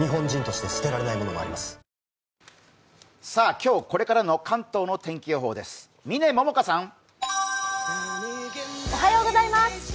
今日これからの関東の天気予報です。